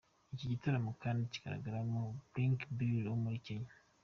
Iki gitaramo kandi kigaragaramo Blinky Bill wo muri Kenya.